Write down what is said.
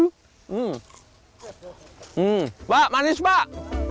hmm pak manis pak